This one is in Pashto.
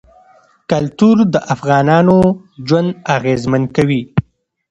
کلتور د افغانانو ژوند اغېزمن کوي.